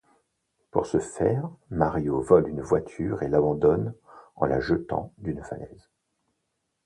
Pour se faire Mario vole une voiture et l'abandonne en la jetant d'une falaise.